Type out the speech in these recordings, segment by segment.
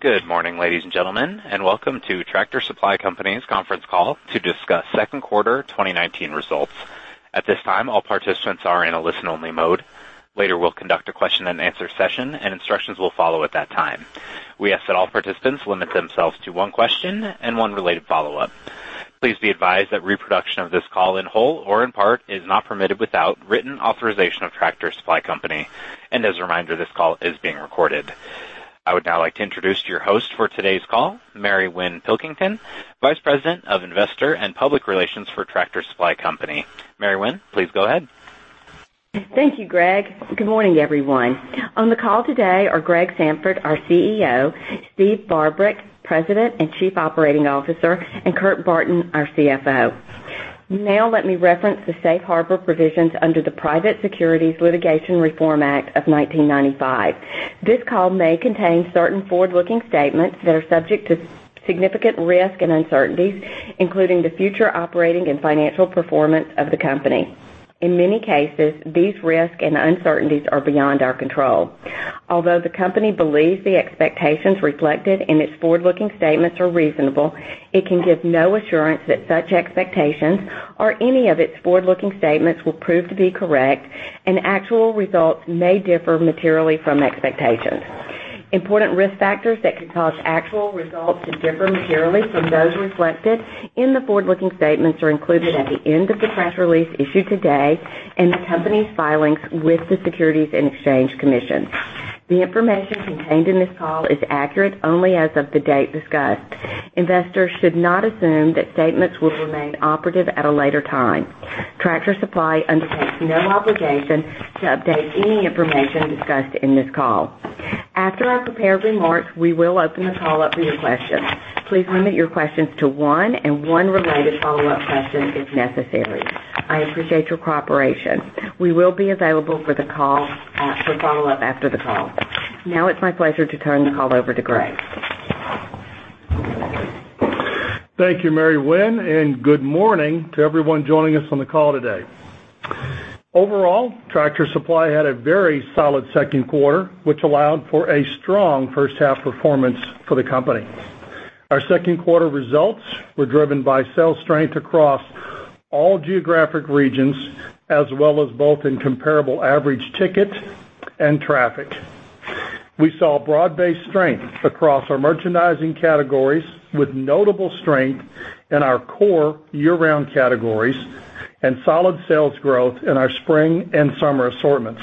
Good morning, ladies and gentlemen, and welcome to Tractor Supply Company's conference call to discuss second quarter 2019 results. At this time, all participants are in a listen-only mode. Later, we'll conduct a question and answer session, and instructions will follow at that time. We ask that all participants limit themselves to one question and one related follow-up. Please be advised that reproduction of this call in whole or in part is not permitted without written authorization of Tractor Supply Company. As a reminder, this call is being recorded. I would now like to introduce your host for today's call, Mary Winn Pilkington, Vice President of Investor and Public Relations for Tractor Supply Company. Mary Winn, please go ahead. Thank you, Greg. Good morning, everyone. On the call today are Greg Sandfort, our CEO, Steve Barbarick, President and Chief Operating Officer, and Kurt Barton, our CFO. Let me reference the safe harbor provisions under the Private Securities Litigation Reform Act of 1995. This call may contain certain forward-looking statements that are subject to significant risk and uncertainties, including the future operating and financial performance of the company. In many cases, these risks and uncertainties are beyond our control. Although the company believes the expectations reflected in its forward-looking statements are reasonable, it can give no assurance that such expectations or any of its forward-looking statements will prove to be correct, and actual results may differ materially from expectations. Important risk factors that could cause actual results to differ materially from those reflected in the forward-looking statements are included at the end of the press release issued today and the company's filings with the Securities and Exchange Commission. The information contained in this call is accurate only as of the date discussed. Investors should not assume that statements will remain operative at a later time. Tractor Supply undertakes no obligation to update any information discussed in this call. After our prepared remarks, we will open the call up for your questions. Please limit your questions to one and one related follow-up question, if necessary. I appreciate your cooperation. We will be available for follow-up after the call. Now it's my pleasure to turn the call over to Greg. Thank you, Mary Winn, good morning to everyone joining us on the call today. Overall, Tractor Supply had a very solid second quarter, which allowed for a strong first half performance for the company. Our second quarter results were driven by sales strength across all geographic regions, as well as both in comparable average ticket and traffic. We saw broad-based strength across our merchandising categories, with notable strength in our core year-round categories and solid sales growth in our spring and summer assortments.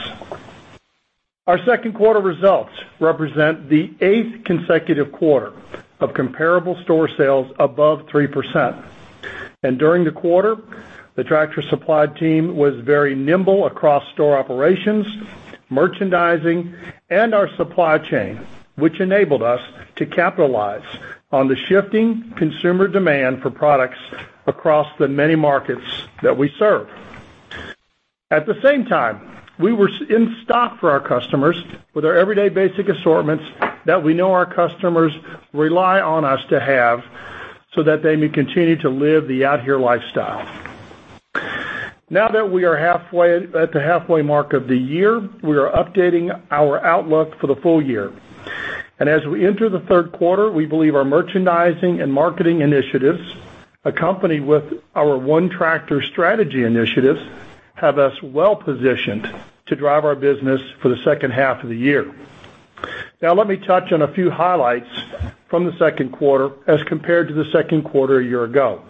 Our second quarter results represent the eighth consecutive quarter of comparable store sales above 3%. During the quarter, the Tractor Supply team was very nimble across store operations, merchandising, and our supply chain, which enabled us to capitalize on the shifting consumer demand for products across the many markets that we serve. At the same time, we were in stock for our customers with our everyday basic assortments that we know our customers rely on us to have so that they may continue to live the Out Here lifestyle. That we are at the halfway mark of the year, we are updating our outlook for the full year. As we enter the third quarter, we believe our merchandising and marketing initiatives, accompanied with our ONETractor strategy initiatives, have us well-positioned to drive our business for the second half of the year. Let me touch on a few highlights from the second quarter as compared to the second quarter a year ago.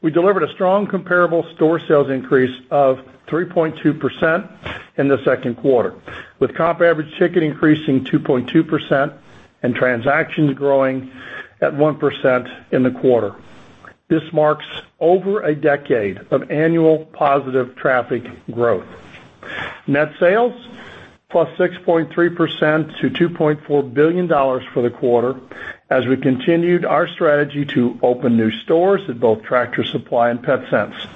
We delivered a strong comparable store sales increase of 3.2% in the second quarter, with comp average ticket increasing 2.2% and transactions growing at 1% in the quarter. This marks over a decade of annual positive traffic growth. Net sales +6.3% to $2.4 billion for the quarter as we continued our strategy to open new stores at both Tractor Supply and Petsense.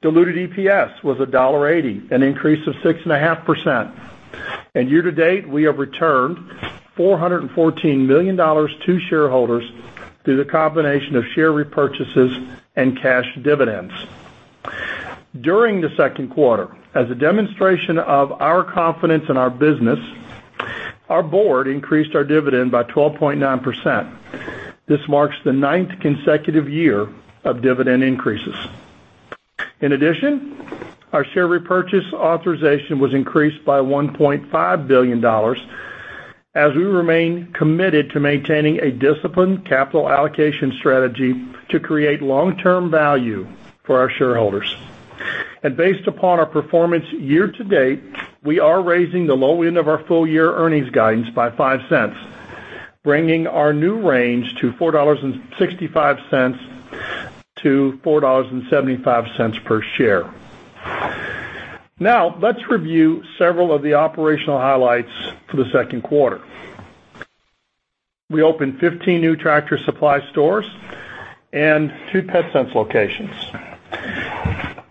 Diluted EPS was $1.80, an increase of 6.5%. Year-to-date, we have returned $414 million to shareholders through the combination of share repurchases and cash dividends. During the second quarter, as a demonstration of our confidence in our business, our board increased our dividend by 12.9%. This marks the ninth consecutive year of dividend increases. In addition, our share repurchase authorization was increased by $1.5 billion as we remain committed to maintaining a disciplined capital allocation strategy to create long-term value for our shareholders. Based upon our performance year-to-date, we are raising the low end of our full-year earnings guidance by $0.05, bringing our new range to $4.65-$4.75 per share. Now, let's review several of the operational highlights for the second quarter. We opened 15 new Tractor Supply stores and two Petsense locations.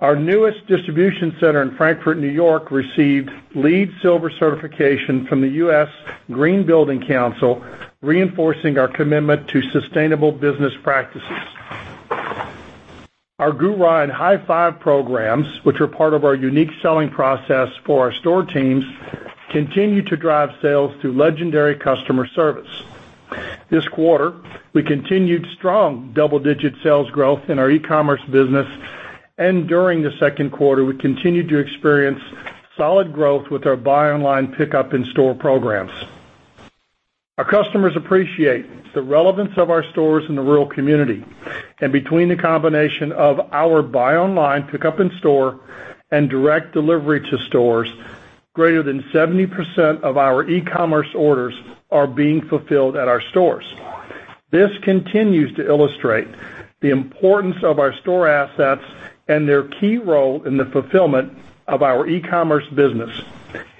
Our newest distribution center in Frankfort, New York, received LEED Silver certification from the U.S. Green Building Council, reinforcing our commitment to sustainable business practices. Our GURA and High Five programs, which are part of our unique selling process for our store teams, continue to drive sales through legendary customer service. This quarter, we continued strong double-digit sales growth in our e-commerce business, and during the second quarter, we continued to experience solid growth with our buy online pickup in-store programs. Our customers appreciate the relevance of our stores in the rural community, and between the combination of our buy online pickup in-store and direct delivery to stores, greater than 70% of our e-commerce orders are being fulfilled at our stores. This continues to illustrate the importance of our store assets and their key role in the fulfillment of our e-commerce business.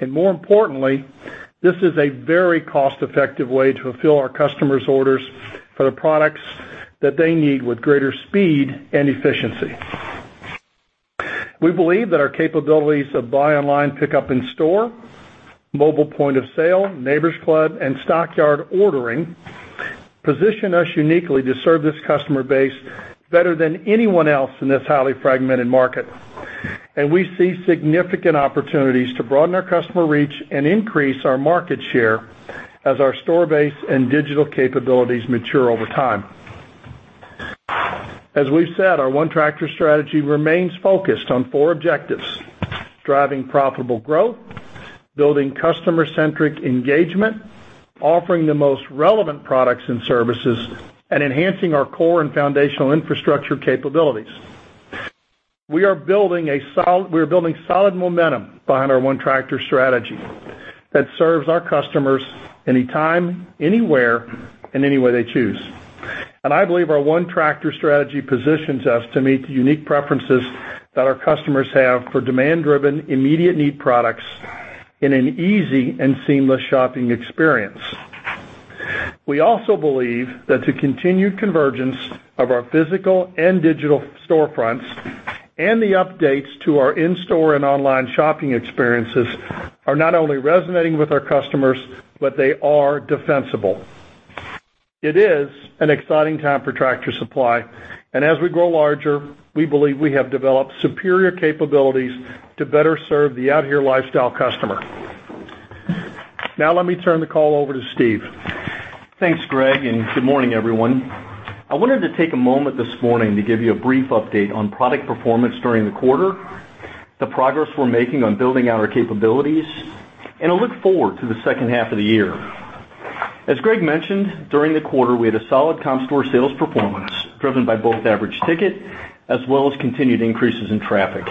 More importantly, this is a very cost-effective way to fulfill our customers' orders for the products that they need with greater speed and efficiency. We believe that our capabilities of buy online pickup in store, mobile point of sale, Neighbor's Club, and Stockyard ordering position us uniquely to serve this customer base better than anyone else in this highly fragmented market. We see significant opportunities to broaden our customer reach and increase our market share as our store base and digital capabilities mature over time. As we've said, our ONETractor strategy remains focused on four objectives: driving profitable growth, building customer-centric engagement, offering the most relevant products and services, and enhancing our core and foundational infrastructure capabilities. We are building solid momentum behind our ONETractor strategy that serves our customers anytime, anywhere, and any way they choose. I believe our ONETractor strategy positions us to meet the unique preferences that our customers have for demand-driven, immediate-need products in an easy and seamless shopping experience. We also believe that the continued convergence of our physical and digital storefronts and the updates to our in-store and online shopping experiences are not only resonating with our customers, but they are defensible. It is an exciting time for Tractor Supply, and as we grow larger, we believe we have developed superior capabilities to better serve the Out Here lifestyle customer. Now let me turn the call over to Steve. Thanks, Greg. Good morning, everyone. I wanted to take a moment this morning to give you a brief update on product performance during the quarter, the progress we're making on building out our capabilities, and a look forward to the second half of the year. As Greg mentioned, during the quarter, we had a solid comp store sales performance driven by both average ticket as well as continued increases in traffic.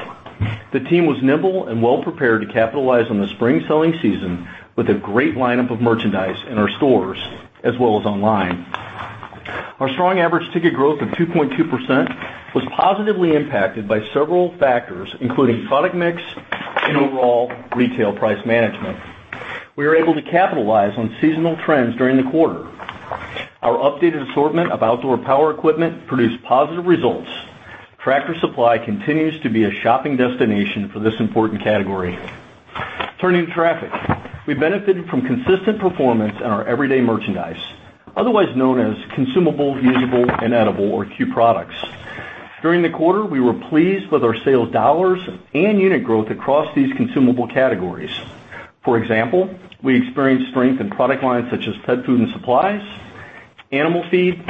The team was nimble and well-prepared to capitalize on the spring selling season with a great lineup of merchandise in our stores as well as online. Our strong average ticket growth of 2.2% was positively impacted by several factors, including product mix and overall retail price management. We were able to capitalize on seasonal trends during the quarter. Our updated assortment of outdoor power equipment produced positive results. Tractor Supply continues to be a shopping destination for this important category. Turning to traffic. We benefited from consistent performance in our everyday merchandise, otherwise known as consumable, usable, and edible or CUE products. During the quarter, we were pleased with our sales dollars and unit growth across these consumable categories. For example, we experienced strength in product lines such as pet food and supplies, animal feed,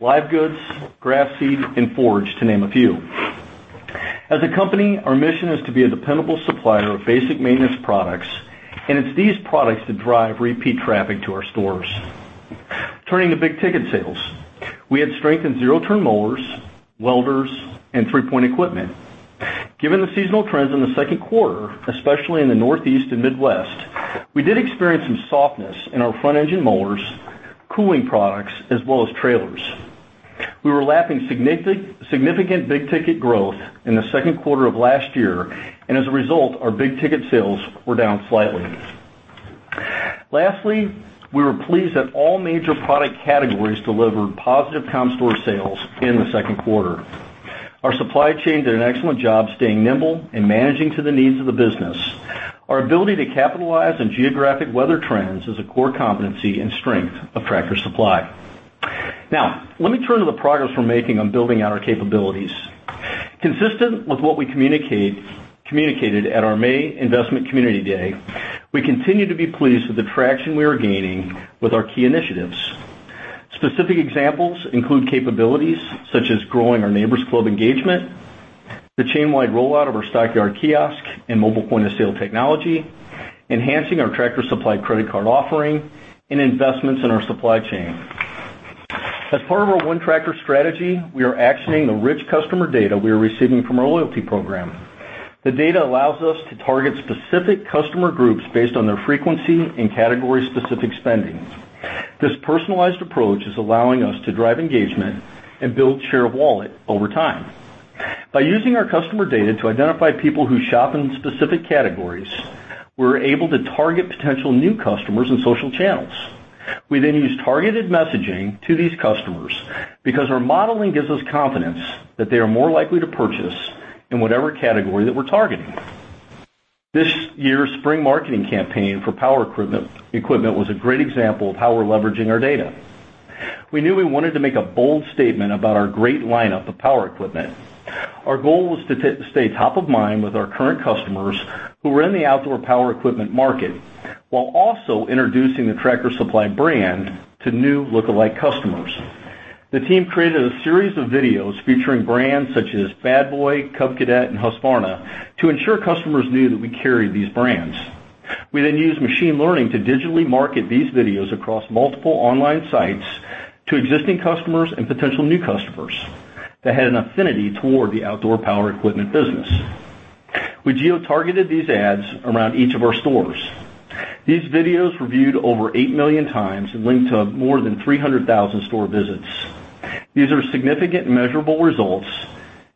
live goods, grass seed, and forage, to name a few. As a company, our mission is to be a dependable supplier of basic maintenance products. It's these products that drive repeat traffic to our stores. Turning to big-ticket sales. We had strength in zero-turn mowers, welders, and three-point equipment. Given the seasonal trends in the second quarter, especially in the Northeast and Midwest, we did experience some softness in our front-engine mowers, cooling products, as well as trailers. We were lapping significant big-ticket growth in the second quarter of last year, and as a result, our big-ticket sales were down slightly. Lastly, we were pleased that all major product categories delivered positive comp store sales in the second quarter. Our supply chain did an excellent job staying nimble and managing to the needs of the business. Our ability to capitalize on geographic weather trends is a core competency and strength of Tractor Supply. Now, let me turn to the progress we're making on building out our capabilities. Consistent with what we communicated at our May Investment Community Day, we continue to be pleased with the traction we are gaining with our key initiatives. Specific examples include capabilities such as growing our Neighbor's Club engagement, the chain-wide rollout of our Stockyard kiosk and mobile point-of-sale technology, enhancing our Tractor Supply credit card offering, and investments in our supply chain. As part of our ONETractor strategy, we are actioning the rich customer data we are receiving from our loyalty program. The data allows us to target specific customer groups based on their frequency and category-specific spending. This personalized approach is allowing us to drive engagement and build share of wallet over time. By using our customer data to identify people who shop in specific categories, we're able to target potential new customers on social channels. We use targeted messaging to these customers because our modeling gives us confidence that they are more likely to purchase in whatever category that we're targeting. This year's spring marketing campaign for power equipment was a great example of how we're leveraging our data. We knew we wanted to make a bold statement about our great lineup of power equipment. Our goal was to stay top of mind with our current customers who are in the outdoor power equipment market, while also introducing the Tractor Supply brand to new lookalike customers. The team created a series of videos featuring brands such as Bad Boy, Cub Cadet and Husqvarna to ensure customers knew that we carry these brands. We used machine learning to digitally market these videos across multiple online sites to existing customers and potential new customers that had an affinity toward the outdoor power equipment business. We geotargeted these ads around each of our stores. These videos were viewed over 8 million times and linked to more than 300,000 store visits. These are significant measurable results,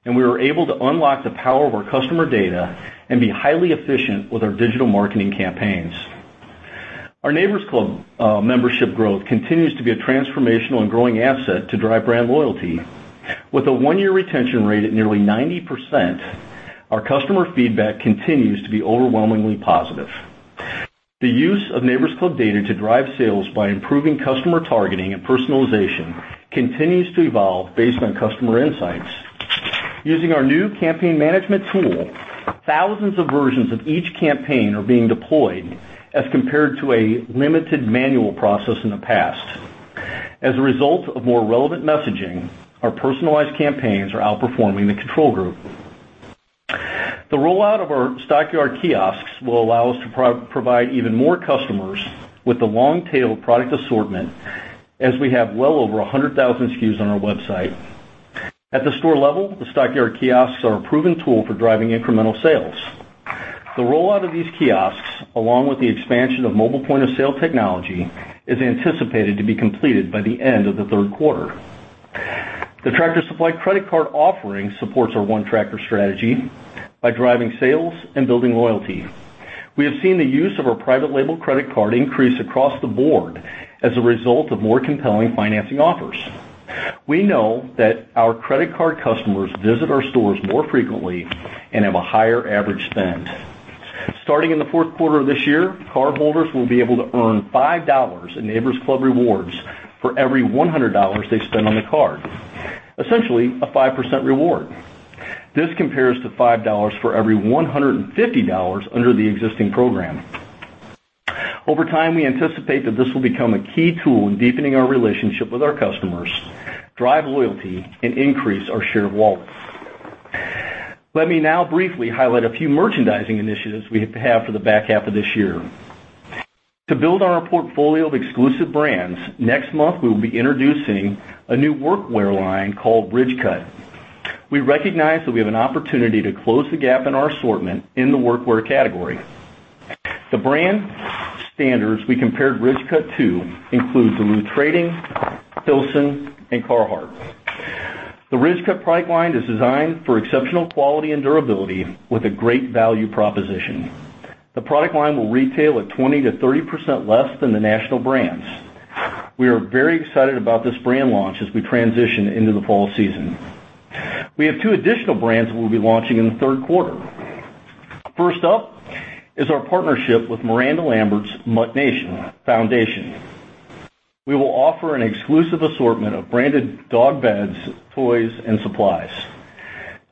we were able to unlock the power of our customer data and be highly efficient with our digital marketing campaigns. Our Neighbor's Club membership growth continues to be a transformational and growing asset to drive brand loyalty. With a 1-year retention rate at nearly 90%, our customer feedback continues to be overwhelmingly positive. The use of Neighbor's Club data to drive sales by improving customer targeting and personalization continues to evolve based on customer insights. Using our new campaign management tool, thousands of versions of each campaign are being deployed as compared to a limited manual process in the past. As a result of more relevant messaging, our personalized campaigns are outperforming the control group. The rollout of our Stockyard Kiosks will allow us to provide even more customers with the long tail product assortment as we have well over 100,000 SKUs on our website. At the store level, the Stockyard Kiosks are a proven tool for driving incremental sales. The rollout of these kiosks, along with the expansion of mobile point of sale technology, is anticipated to be completed by the end of the third quarter. The Tractor Supply credit card offering supports our ONETractor strategy by driving sales and building loyalty. We have seen the use of our private label credit card increase across the board as a result of more compelling financing offers. We know that our credit card customers visit our stores more frequently and have a higher average spend. Starting in the fourth quarter of this year, cardholders will be able to earn $5 in Neighbor's Club rewards for every $100 they spend on the card, essentially a 5% reward. This compares to $5 for every $150 under the existing program. Over time, we anticipate that this will become a key tool in deepening our relationship with our customers, drive loyalty and increase our share of wallet. Let me now briefly highlight a few merchandising initiatives we have for the back half of this year. To build on our portfolio of exclusive brands, next month, we will be introducing a new workwear line called Ridgecut. We recognize that we have an opportunity to close the gap in our assortment in the workwear category. The brand standards we compared Ridgecut to include Duluth Trading, Filson and Carhartt. The Ridgecut product line is designed for exceptional quality and durability with a great value proposition. The product line will retail at 20%-30% less than the national brands. We are very excited about this brand launch as we transition into the fall season. We have two additional brands that we'll be launching in the third quarter. First up is our partnership with Miranda Lambert's MuttNation Foundation. We will offer an exclusive assortment of branded dog beds, toys, and supplies.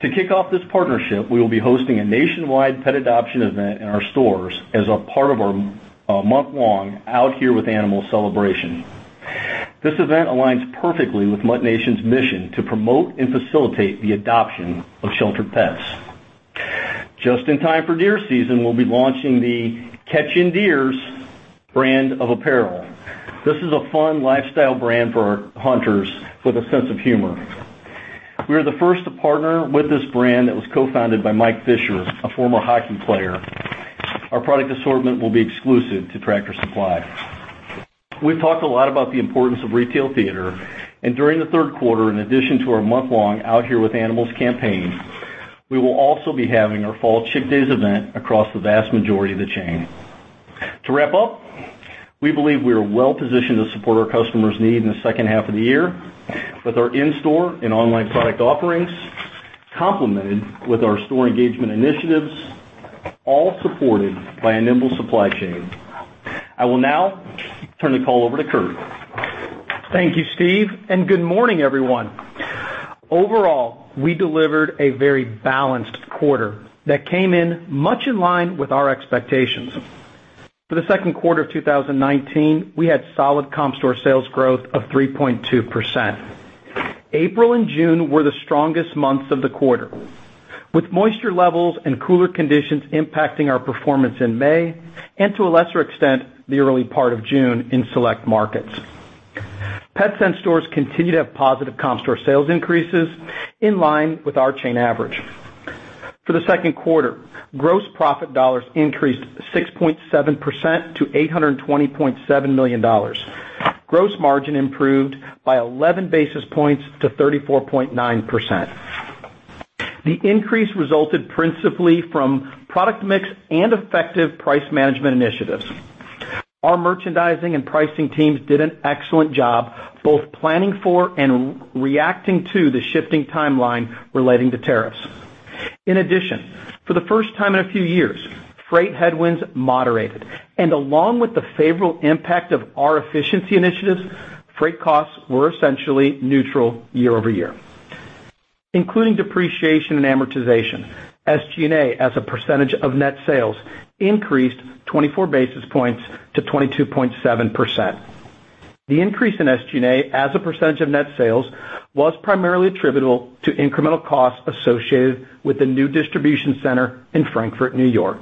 To kick off this partnership, we will be hosting a nationwide pet adoption event in our stores as a part of our month-long Out Here With Animals celebration. This event aligns perfectly with MuttNation's mission to promote and facilitate the adoption of sheltered pets. Just in time for deer season, we'll be launching the Catchin' Deers brand of apparel. This is a fun lifestyle brand for our hunters with a sense of humor. We are the first to partner with this brand that was co-founded by Mike Fisher, a former hockey player. Our product assortment will be exclusive to Tractor Supply. We've talked a lot about the importance of retail theater. During the third quarter, in addition to our month-long Out Here With Animals campaign, we will also be having our Fall Chick Days event across the vast majority of the chain. To wrap up, we believe we are well-positioned to support our customers' need in the second half of the year with our in-store and online product offerings, complemented with our store engagement initiatives, all supported by a nimble supply chain. I will now turn the call over to Kurt. Thank you, Steve, and good morning, everyone. Overall, we delivered a very balanced quarter that came in much in line with our expectations. For the second quarter of 2019, we had solid comp store sales growth of 3.2%. April and June were the strongest months of the quarter, with moisture levels and cooler conditions impacting our performance in May and to a lesser extent, the early part of June in select markets. Petsense stores continue to have positive comp store sales increases in line with our chain average. For the second quarter, gross profit dollars increased 6.7% to $820.7 million. Gross margin improved by 11 basis points to 34.9%. The increase resulted principally from product mix and effective price management initiatives. Our merchandising and pricing teams did an excellent job both planning for and reacting to the shifting timeline relating to tariffs. In addition, for the first time in a few years, freight headwinds moderated, and along with the favorable impact of our efficiency initiatives, freight costs were essentially neutral year-over-year. Including depreciation and amortization, SG&A, as a percentage of net sales, increased 24 basis points to 22.7%. The increase in SG&A as a percentage of net sales was primarily attributable to incremental costs associated with the new distribution center in Frankfort, N.Y.,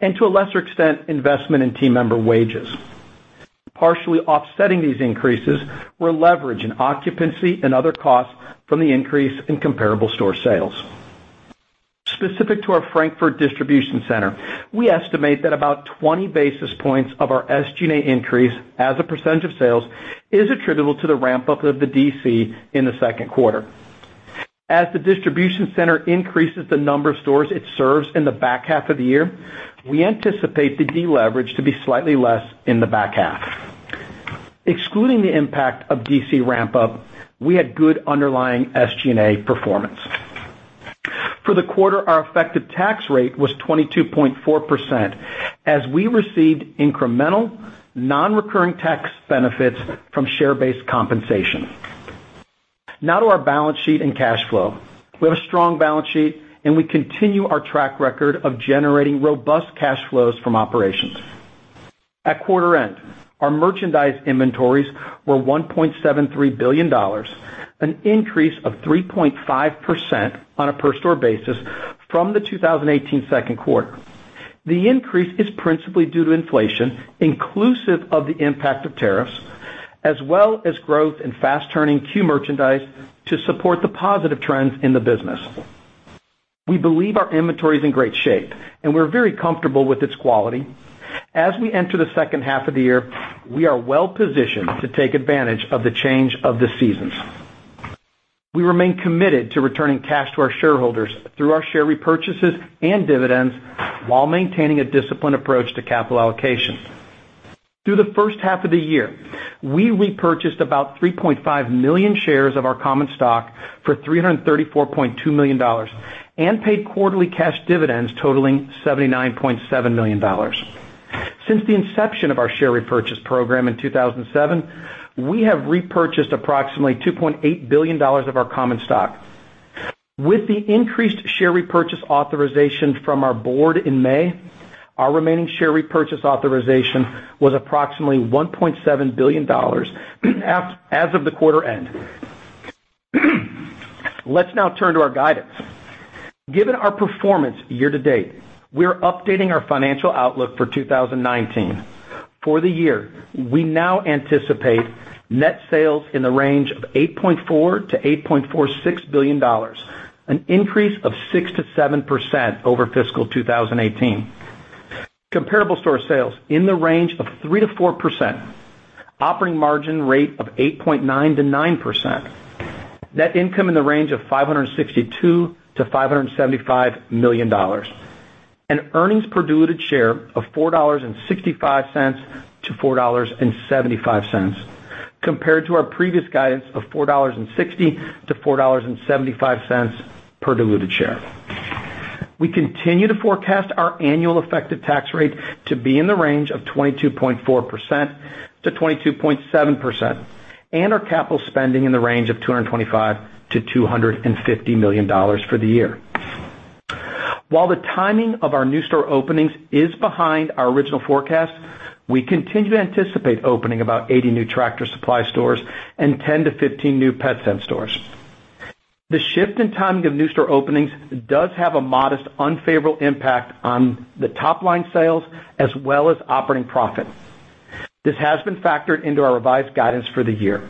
and to a lesser extent, investment in team member wages. Partially offsetting these increases were leverage in occupancy and other costs from the increase in comparable store sales. Specific to our Frankfort distribution center, we estimate that about 20 basis points of our SG&A increase as a percentage of sales is attributable to the ramp-up of the DC in the second quarter. As the distribution center increases the number of stores it serves in the back half of the year, we anticipate the deleverage to be slightly less in the back half. Excluding the impact of DC ramp-up, we had good underlying SG&A performance. For the quarter, our effective tax rate was 22.4% as we received incremental non-recurring tax benefits from share-based compensation. Now to our balance sheet and cash flow. We have a strong balance sheet, and we continue our track record of generating robust cash flows from operations. At quarter end, our merchandise inventories were $1.73 billion, an increase of 3.5% on a per store basis from the 2018 second quarter. The increase is principally due to inflation, inclusive of the impact of tariffs, as well as growth in fast-turning Q merchandise to support the positive trends in the business. We believe our inventory is in great shape, and we're very comfortable with its quality. As we enter the second half of the year, we are well positioned to take advantage of the change of the seasons. We remain committed to returning cash to our shareholders through our share repurchases and dividends while maintaining a disciplined approach to capital allocation. Through the first half of the year, we repurchased about 3.5 million shares of our common stock for $334.2 million and paid quarterly cash dividends totaling $79.7 million. Since the inception of our share repurchase program in 2007, we have repurchased approximately $2.8 billion of our common stock. With the increased share repurchase authorization from our board in May, our remaining share repurchase authorization was approximately $1.7 billion as of the quarter end. Let's now turn to our guidance. Given our performance year to date, we are updating our financial outlook for 2019. For the year, we now anticipate net sales in the range of $8.4 billion-$8.46 billion, an increase of 6%-7% over fiscal 2018. Comparable store sales in the range of 3%-4%, operating margin rate of 8.9%-9%, net income in the range of $562 million-$575 million, and earnings per diluted share of $4.65-$4.75 compared to our previous guidance of $4.60-$4.75 per diluted share. We continue to forecast our annual effective tax rate to be in the range of 22.4%-22.7%, and our capital spending in the range of $225 million-$250 million for the year. While the timing of our new store openings is behind our original forecast, we continue to anticipate opening about 80 new Tractor Supply stores and 10 to 15 new Petsense stores. The shift in timing of new store openings does have a modest, unfavorable impact on the top-line sales as well as operating profit. This has been factored into our revised guidance for the year.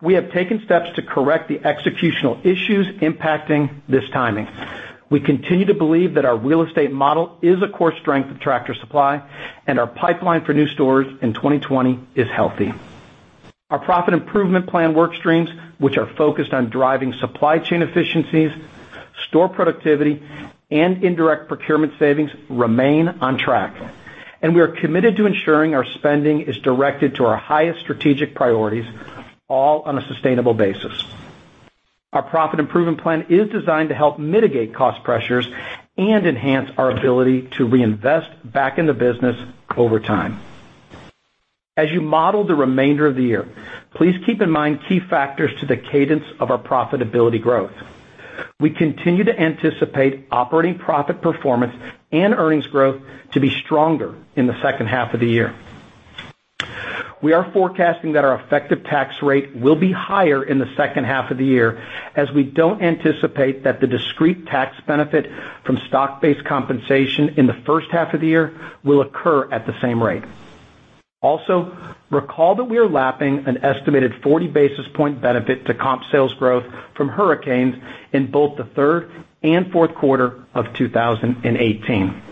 We have taken steps to correct the executional issues impacting this timing. We continue to believe that our real estate model is a core strength of Tractor Supply, and our pipeline for new stores in 2020 is healthy. Our profit improvement plan work streams, which are focused on driving supply chain efficiencies, store productivity, and indirect procurement savings remain on track, and we are committed to ensuring our spending is directed to our highest strategic priorities, all on a sustainable basis. Our profit improvement plan is designed to help mitigate cost pressures and enhance our ability to reinvest back in the business over time. As you model the remainder of the year, please keep in mind key factors to the cadence of our profitability growth. We continue to anticipate operating profit performance and earnings growth to be stronger in the second half of the year. We are forecasting that our effective tax rate will be higher in the second half of the year, as we don't anticipate that the discrete tax benefit from stock-based compensation in the first half of the year will occur at the same rate. Recall that we are lapping an estimated 40 basis point benefit to comp sales growth from hurricanes in both the third and fourth quarter of 2018.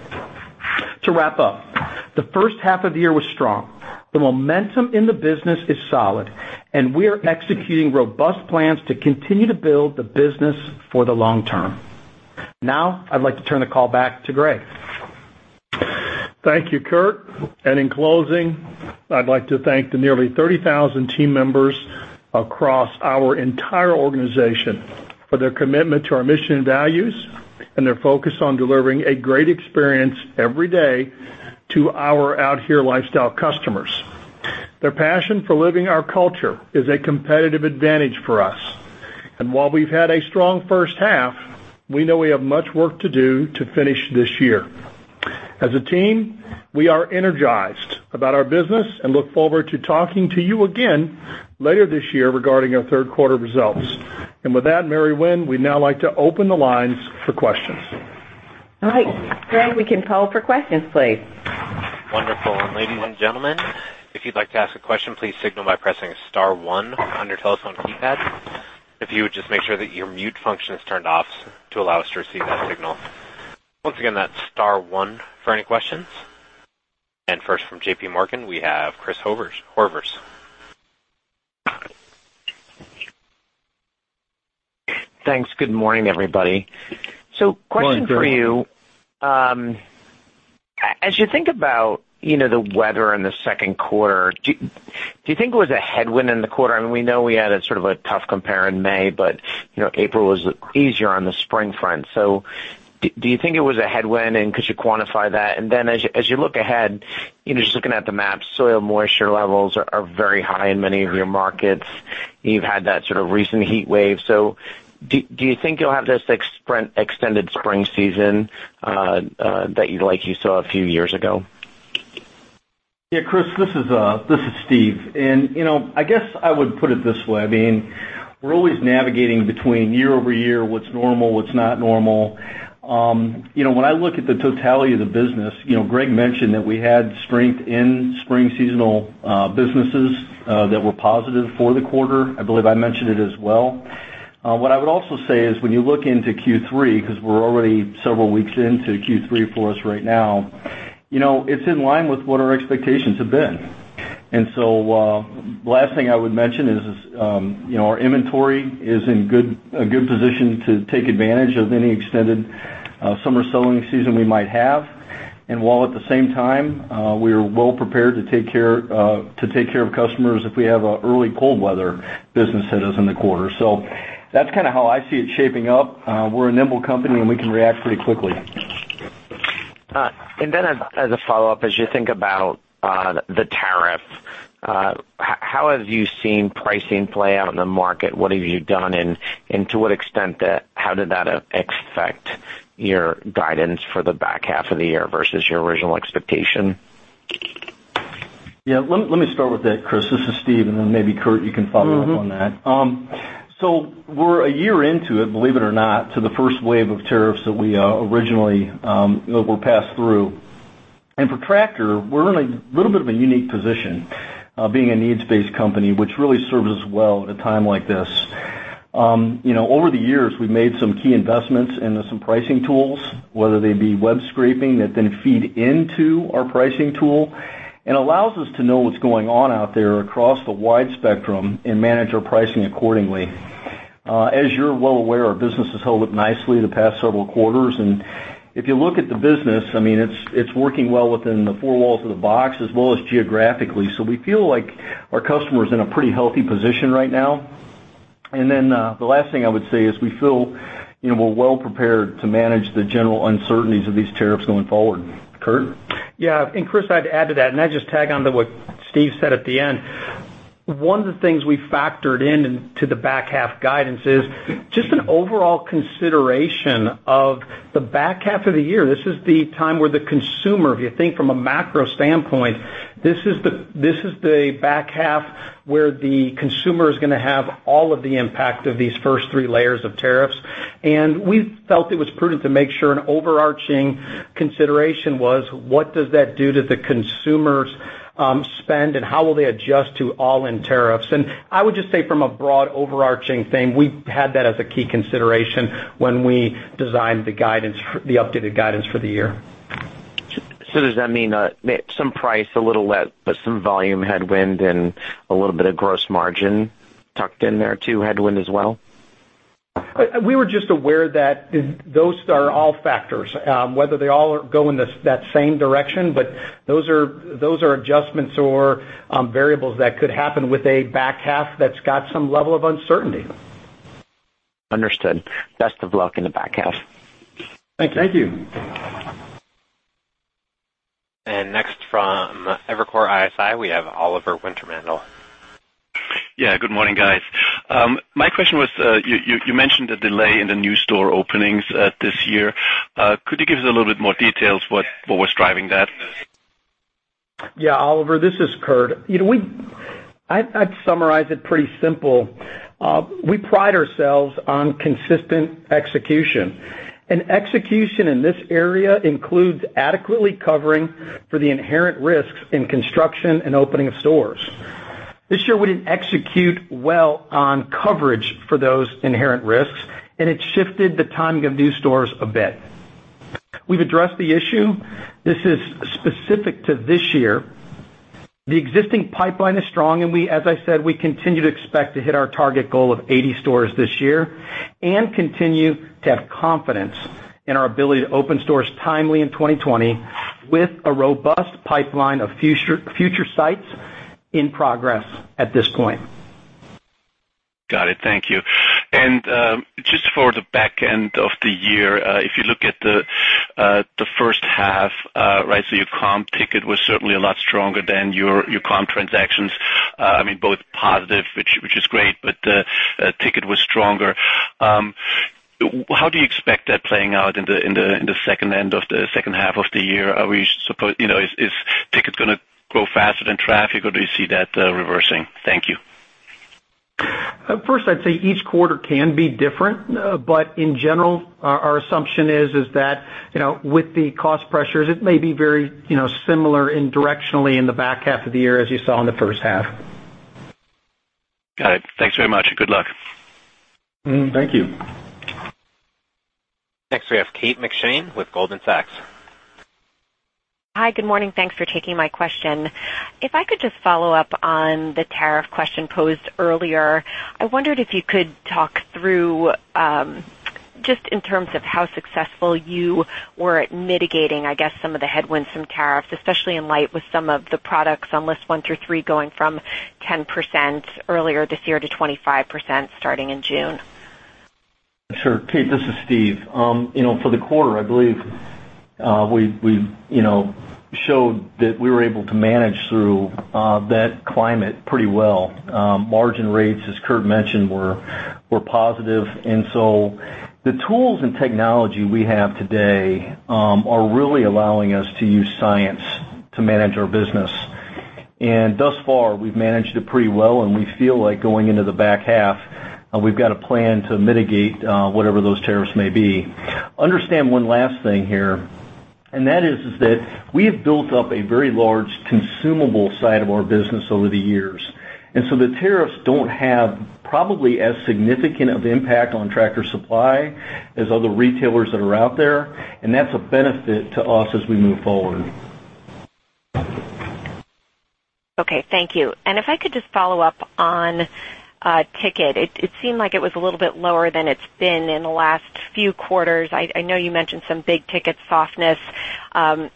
To wrap up, the first half of the year was strong. The momentum in the business is solid, and we're executing robust plans to continue to build the business for the long term. Now I'd like to turn the call back to Greg. Thank you, Kurt. In closing, I'd like to thank the nearly 30,000 team members across our entire organization for their commitment to our mission and values and their focus on delivering a great experience every day to our Out Here lifestyle customers. Their passion for living our culture is a competitive advantage for us. While we've had a strong first half, we know we have much work to do to finish this year. As a team, we are energized about our business and look forward to talking to you again later this year regarding our third quarter results. With that, Mary Winn, we'd now like to open the lines for questions. All right. Greg, we can call for questions, please. Wonderful. Ladies and gentlemen, if you'd like to ask a question, please signal by pressing *1 on your telephone keypad. If you would just make sure that your mute function is turned off to allow us to receive that signal. Once again, that's *1 for any questions. First from J.P. Morgan, we have Chris Horvers. Thanks. Good morning, everybody. Good morning, Chris. Question for you? As you think about the weather in the second quarter, do you think it was a headwind in the quarter? I mean, we know we had a sort of a tough compare in May, but April was easier on the spring front. Do you think it was a headwind and could you quantify that? As you look ahead, just looking at the map, soil moisture levels are very high in many of your markets. You've had that sort of recent heat wave. Do you think you'll have this extended spring season like you saw a few years ago? Yeah, Chris, this is Steve. I guess I would put it this way. We're always navigating between year-over-year, what's normal, what's not normal. When I look at the totality of the business, Greg mentioned that we had strength in spring seasonal businesses that were positive for the quarter. I believe I mentioned it as well. What I would also say is when you look into Q3, because we're already several weeks into Q3 for us right now, it's in line with what our expectations have been. Last thing I would mention is our inventory is in a good position to take advantage of any extended summer selling season we might have. While at the same time, we are well prepared to take care of customers if we have an early cold weather business hit us in the quarter. That's kind of how I see it shaping up. We're a nimble company, and we can react pretty quickly. As a follow-up, as you think about the tariff, how have you seen pricing play out in the market? What have you done? To what extent, how did that affect your guidance for the back half of the year versus your original expectation? Yeah. Let me start with that, Chris. This is Steve, and then maybe Kurt, you can follow up on that. We're a year into it, believe it or not, to the first wave of tariffs that were passed through. For Tractor, we're in a little bit of a unique position being a needs-based company, which really serves us well at a time like this. Over the years, we've made some key investments into some pricing tools, whether they be web scraping that then feed into our pricing tool and allows us to know what's going on out there across the wide spectrum and manage our pricing accordingly. As you're well aware, our business has held up nicely the past several quarters. If you look at the business, it's working well within the four walls of the box as well as geographically. We feel like our customer is in a pretty healthy position right now. The last thing I would say is we feel we're well prepared to manage the general uncertainties of these tariffs going forward. Kurt? Yeah. Chris, I'd add to that, and I'd just tag on to what Steve said at the end. One of the things we factored in to the back half guidance is just an overall consideration of the back half of the year. This is the time where the consumer, if you think from a macro standpoint, this is the back half where the consumer is going to have all of the impact of these first three layers of tariffs. We felt it was prudent to make sure an overarching consideration was what does that do to the consumer spend and how will they adjust to all-in tariffs. I would just say from a broad overarching thing, we had that as a key consideration when we designed the updated guidance for the year. Does that mean some price, a little less, but some volume headwind and a little bit of gross margin tucked in there too, headwind as well? We were just aware that those are all factors. Whether they all go in that same direction, but those are adjustments or variables that could happen with a back half that's got some level of uncertainty. Understood. Best of luck in the back half. Thank you. Thank you. Next from Evercore ISI, we have Oliver Wintermantel. Yeah, good morning, guys. My question was, you mentioned the delay in the new store openings this year. Could you give us a little bit more details what was driving that? Yeah. Oliver, this is Kurt. I'd summarize it pretty simple. We pride ourselves on consistent execution, and execution in this area includes adequately covering for the inherent risks in construction and opening of stores. This year, we didn't execute well on coverage for those inherent risks, and it shifted the timing of new stores a bit. We've addressed the issue. This is specific to this year. As I said, we continue to expect to hit our target goal of 80 stores this year and continue to have confidence in our ability to open stores timely in 2020 with a robust pipeline of future sites in progress at this point. Got it. Thank you. Just for the back end of the year, if you look at the first half, your comp ticket was certainly a lot stronger than your comp transactions, both positive, which is great, ticket was stronger. How do you expect that playing out in the second half of the year? Is ticket going to grow faster than traffic, or do you see that reversing? Thank you. First, I'd say each quarter can be different. In general, our assumption is that with the cost pressures, it may be very similar directionally in the back half of the year as you saw in the first half. Got it. Thanks very much, and good luck. Thank you. Next, we have Kate McShane with Goldman Sachs. Hi, good morning. Thanks for taking my question. If I could just follow up on the tariff question posed earlier. I wondered if you could talk through, just in terms of how successful you were at mitigating, I guess, some of the headwinds from tariffs, especially in light with some of the products on list one through three, going from 10% earlier this year to 25% starting in June? Sure. Kate, this is Steve. For the quarter, I believe we showed that we were able to manage through that climate pretty well. Margin rates, as Kurt mentioned, were positive. The tools and technology we have today are really allowing us to use science to manage our business. Thus far, we've managed it pretty well, and we feel like going into the back half, we've got a plan to mitigate whatever those tariffs may be. Understand one last thing here, and that is that we have built up a very large consumable side of our business over the years. The tariffs don't have probably as significant of impact on Tractor Supply as other retailers that are out there, and that's a benefit to us as we move forward. Okay. Thank you. If I could just follow up on ticket. It seemed like it was a little bit lower than it's been in the last few quarters. I know you mentioned some big-ticket softness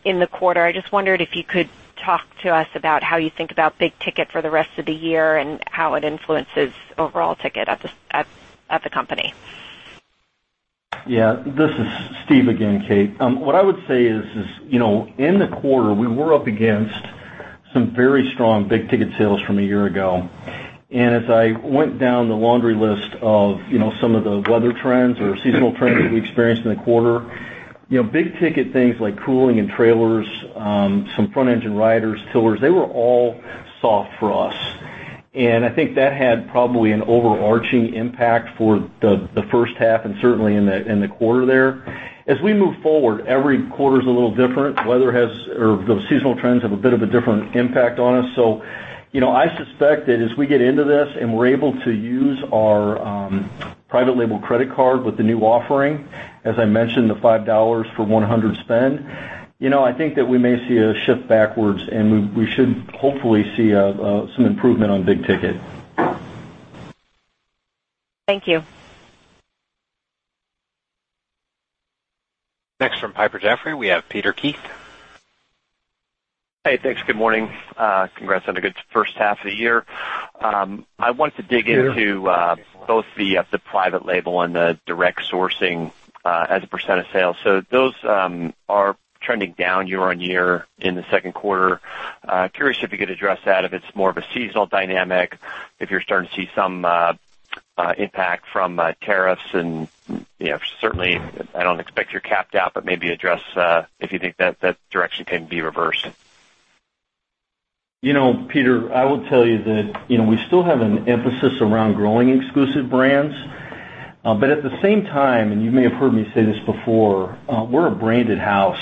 in the quarter. I just wondered if you could talk to us about how you think about big ticket for the rest of the year and how it influences overall ticket at the company. Yeah, this is Steve again, Kate. What I would say is in the quarter, we were up against some very strong big-ticket sales from a year ago. As I went down the laundry list of some of the weather trends or seasonal trends that we experienced in the quarter, big-ticket things like cooling and trailers, some front-engine riders, tillers, they were all soft for us. I think that had probably an overarching impact for the first half and certainly in the quarter there. As we move forward, every quarter's a little different. The seasonal trends have a bit of a different impact on us. I suspect that as we get into this and we're able to use our private label credit card with the new offering, as I mentioned, the $5 for $100 spend, I think that we may see a shift backwards, and we should hopefully see some improvement on big ticket. Thank you. Next from Piper Jaffray, we have Peter Keith. Hey, thanks. Good morning. Congrats on a good first half of the year. I want to dig into both the private label and the direct sourcing as a percent of sales. Those are trending down year-over-year in the second quarter. Curious if you could address that, if it's more of a seasonal dynamic, if you're starting to see some impact from tariffs, and certainly, I don't expect you're capped out, but maybe address if you think that direction can be reversed. Peter, I will tell you that we still have an emphasis around growing exclusive brands. At the same time, and you may have heard me say this before, we're a branded house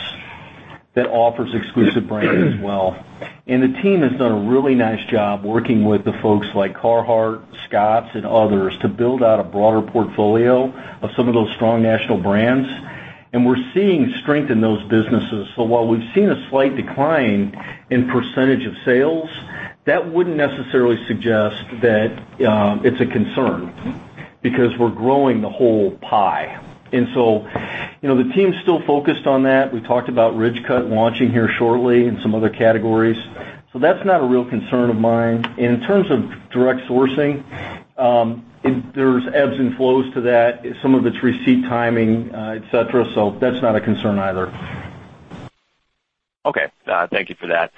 that offers exclusive brands as well. The team has done a really nice job working with the folks like Carhartt, Scotts, and others to build out a broader portfolio of some of those strong national brands. We're seeing strength in those businesses. While we've seen a slight decline in % of sales, that wouldn't necessarily suggest that it's a concern because we're growing the whole pie. The team's still focused on that. We talked about Ridgecut launching here shortly and some other categories. That's not a real concern of mine. In terms of direct sourcing, there's ebbs and flows to that. Some of it's receipt timing, et cetera. That's not a concern either. Okay. Thank you for that.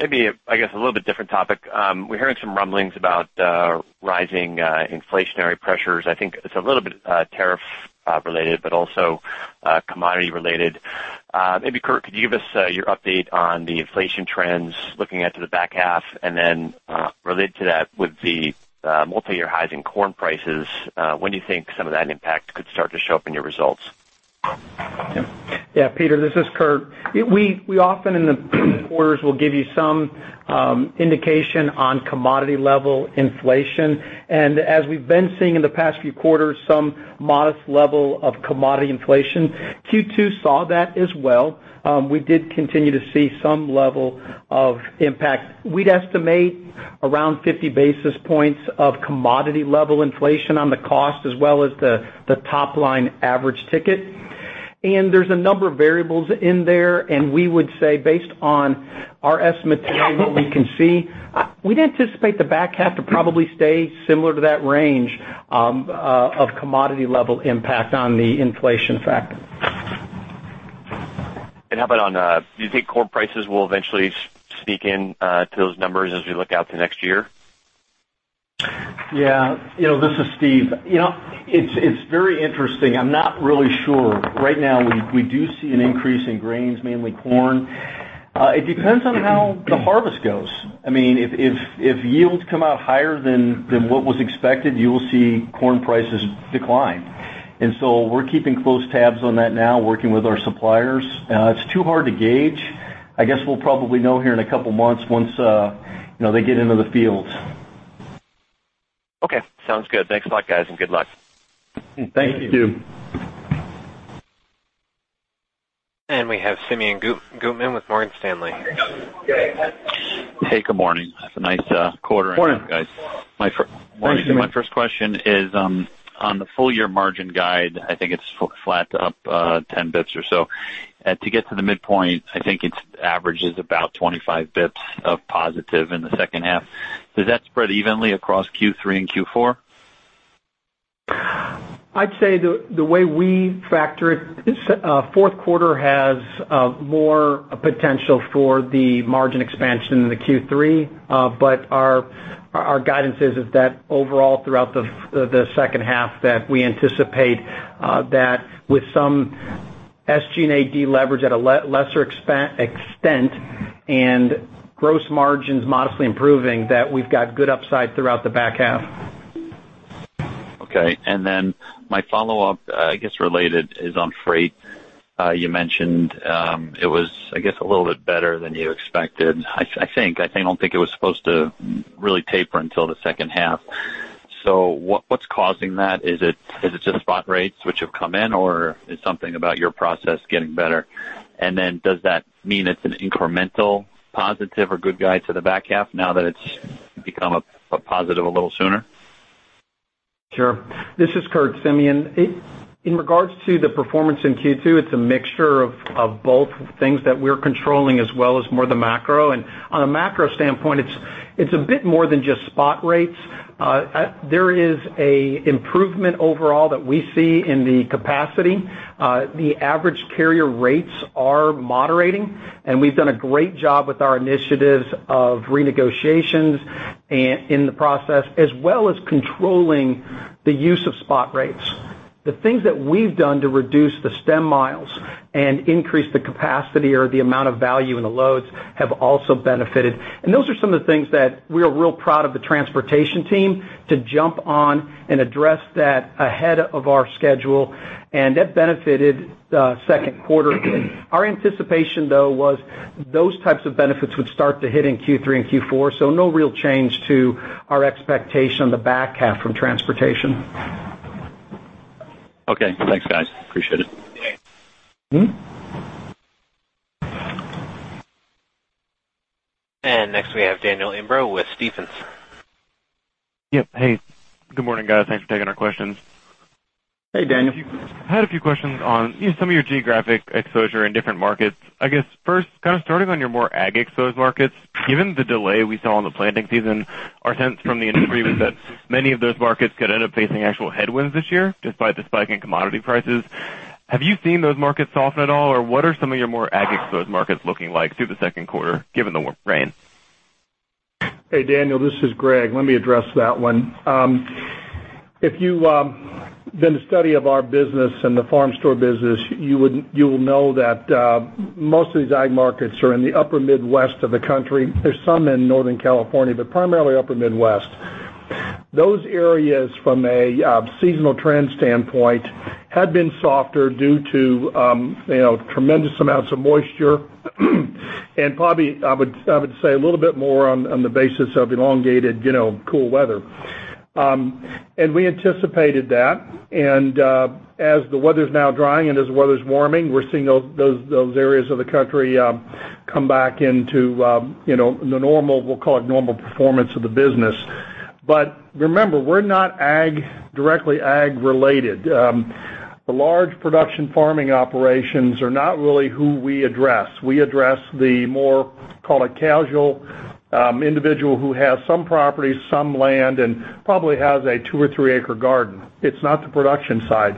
Maybe, I guess, a little bit different topic. We're hearing some rumblings about rising inflationary pressures. I think it's a little bit tariff related, but also commodity related. Maybe, Kurt, could you give us your update on the inflation trends looking out to the back half? Related to that, with the multiyear highs in corn prices, when do you think some of that impact could start to show up in your results? Yeah, Peter, this is Kurt. We often in the quarters will give you some indication on commodity-level inflation. As we've been seeing in the past few quarters, some modest level of commodity inflation. Q2 saw that as well. We did continue to see some level of impact. We'd estimate around 50 basis points of commodity-level inflation on the cost as well as the top-line average ticket. There's a number of variables in there, and we would say, based on our estimate today, what we can see, we'd anticipate the back half to probably stay similar to that range of commodity-level impact on the inflation factor. Do you think corn prices will eventually sneak in to those numbers as we look out to next year? Yeah. This is Steve. It's very interesting. I'm not really sure. Right now, we do see an increase in grains, mainly corn. It depends on how the harvest goes. If yields come out higher than what was expected, you will see corn prices decline. We're keeping close tabs on that now, working with our suppliers. It's too hard to gauge. I guess we'll probably know here in a couple of months once they get into the fields. Okay, sounds good. Thanks a lot, guys, and good luck. Thank you. Thank you. We have Simeon Gutman with Morgan Stanley. Hey, good morning. That's a nice quarter. Morning guys. Thanks, Simeon. My first question is, on the full-year margin guide, I think it's flat to up 10 basis points or so. To get to the midpoint, I think its average is about 25 basis points of positive in the second half. Does that spread evenly across Q3 and Q4? I'd say the way we factor it, fourth quarter has more potential for the margin expansion than the Q3. Our guidance is that overall throughout the second half that we anticipate that with some SG&A deleverage at a lesser extent, and gross margins modestly improving, that we've got good upside throughout the back half. Okay. My follow-up, I guess related, is on freight. You mentioned it was, I guess, a little bit better than you expected. I think. I don't think it was supposed to really taper until the second half. What's causing that? Is it just spot rates which have come in, or is something about your process getting better? Does that mean it's an incremental positive or good guide to the back half now that it's become a positive a little sooner? Sure. This is Kurt, Simeon. In regards to the performance in Q2, it's a mixture of both things that we're controlling as well as more the macro. On a macro standpoint, it's a bit more than just spot rates. There is an improvement overall that we see in the capacity. The average carrier rates are moderating, and we've done a great job with our initiatives of renegotiations in the process, as well as controlling the use of spot rates. The things that we've done to reduce the stem miles and increase the capacity or the amount of value in the loads have also benefited. Those are some of the things that we are real proud of the transportation team to jump on and address that ahead of our schedule, and that benefited the second quarter. Our anticipation, though, was those types of benefits would start to hit in Q3 and Q4, so no real change to our expectation on the back half from transportation. Okay. Thanks, guys. Appreciate it. Next we have Daniel Imbro with Stephens. Yep. Hey. Good morning, guys. Thanks for taking our questions. Hey, Daniel. I had a few questions on some of your geographic exposure in different markets. I guess first, kind of starting on your more ag exposed markets. Given the delay we saw in the planting season, our sense from the industry was that many of those markets could end up facing actual headwinds this year, despite the spike in commodity prices. Have you seen those markets soften at all, or what are some of your more ag exposed markets looking like through the second quarter, given the warm rain? Hey, Daniel. This is Greg. Let me address that one. If you've done a study of our business and the farm store business, you will know that most of these ag markets are in the upper Midwest of the country. There's some in Northern California, but primarily upper Midwest. Those areas from a seasonal trend standpoint had been softer due to tremendous amounts of moisture, and probably, I would say a little bit more on the basis of elongated cool weather. We anticipated that. As the weather's now drying and as the weather's warming, we're seeing those areas of the country come back into the normal, we'll call it normal performance of the business. Remember, we're not directly ag related. The large production farming operations are not really who we address. We address the more, call it casual individual who has some property, some land, and probably has a two or three acre garden. It's not the production side.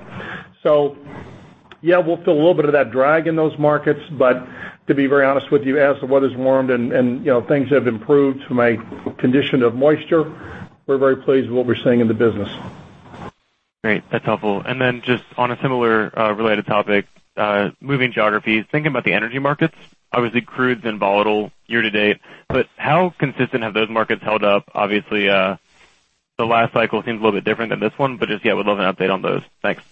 Yeah, we'll feel a little bit of that drag in those markets, but to be very honest with you, as the weather's warmed and things have improved from a condition of moisture, we're very pleased with what we're seeing in the business. Great. That's helpful. Just on a similar related topic, moving geographies, thinking about the energy markets, crude's been volatile year to date, but how consistent have those markets held up? The last cycle seems a little bit different than this one, but just, yeah, would love an update on those. Thanks.